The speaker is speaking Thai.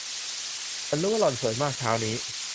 ฉันรู้ว่าหล่อนสวยมากเช้านี้